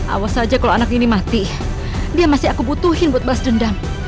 awas saja kalau anak ini mati dia masih aku butuhin buat bas dendam